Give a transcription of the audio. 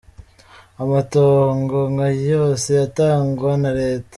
"Amatongo nka yose yatangwa na reta.